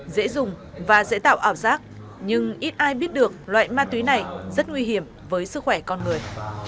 dễ dùng và dễ tạo ảo giác nhưng ít ai biết được loại ma túy này rất nguy hiểm với sức khỏe con người